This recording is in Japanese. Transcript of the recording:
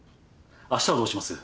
あしたはどうします？